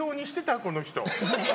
この人。